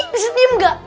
bisa diam nggak